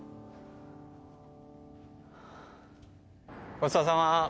ごちそうさま。